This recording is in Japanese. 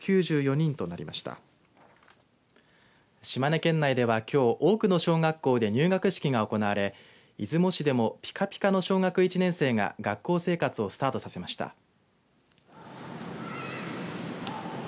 島根県内ではきょう多くの小学校で入学式が行われ出雲市でもピカピカの小学１年生が学校生活をスタートさせました。